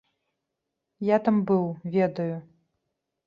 Я там быў, ведаю.